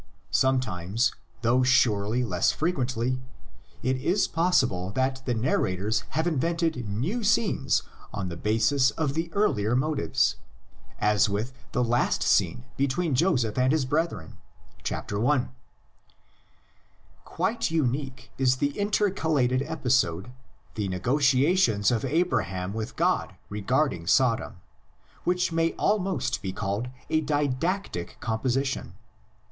Sometimes, though surely less frequently, it is possible that the narrators have invented new 84 THE LEGENDS OF GENESIS. scenes on the basis of the earlier motives, as with the last scene between Joseph and his brethren, chapter 1. Quite unique is the intercalated episode, the negotiations of Abraham with God regarding Sodom, which may almost be called a didactic com position.